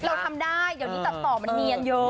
เราทำได้เดี๋ยวนี้ตัดต่อมันเนียนเยอะ